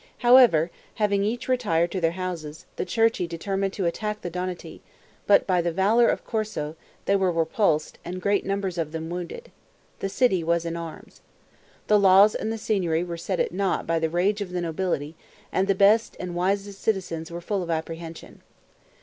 However, having each retired to their houses, the Cerchi determined to attack the Donati, but, by the valor of Corso, they were repulsed and great numbers of them wounded. The city was in arms. The laws and the Signory were set at nought by the rage of the nobility, and the best and wisest citizens were full of apprehension.